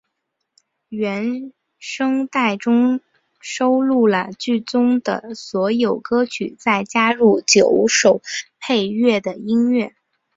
原声带中收录了剧中的所有歌曲再加入九首配乐的音乐。